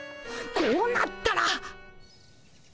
こうなったら。